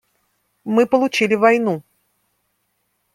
Мы получили войну.